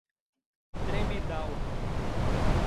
Tremedal